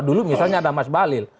dulu misalnya ada mas balil